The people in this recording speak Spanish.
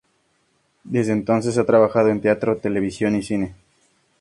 Desde entonces ha trabajado en teatro, televisión y cine.